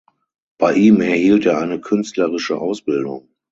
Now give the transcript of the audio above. Bei ihm erhielt er eine künstlerische Ausbildung.